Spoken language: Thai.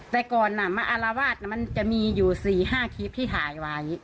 แต่ก่อนมาอารวาสมันจะมีอยู่๔๕คลิปที่ถ่ายไว้